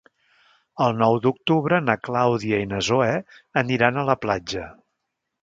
El nou d'octubre na Clàudia i na Zoè aniran a la platja.